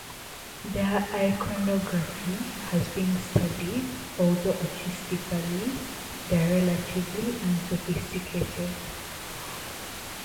Their iconography has been much studied, although artistically they are relatively unsophisticated.